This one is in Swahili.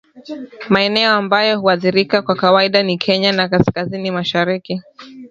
Maeneo ambayo huathirika kwa kawaida ni Kenya na kaskazini mashariki